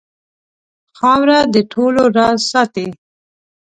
خاوره د ټولو راز ساتي.